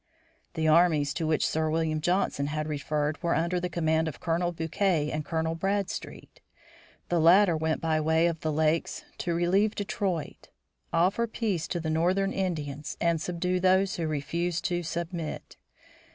The armies to which Sir William Johnson had referred were under the command of Colonel Bouquet and Colonel Bradstreet. The latter went by way of the Lakes to relieve Detroit, offer peace to the northern Indians, and subdue those who refused to submit.